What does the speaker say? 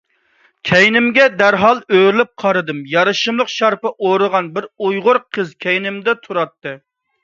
كەينىمگە دەرھال ئۆرۈلۈپ قارىدىم. يارىشىملىق شارپا ئورىغان بىر ئۇيغۇر قىز كەينىمدە تۇراتتى.